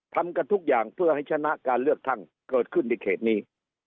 ทำกันทุกอย่างเพื่อให้ชนะการเลือกตั้งเกิดขึ้นในเขตนี้